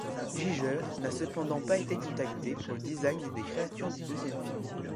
Giger n’a cependant pas été contacté pour le design des créatures du deuxième film.